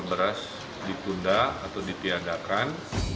impor beras ditunda atau ditiagakan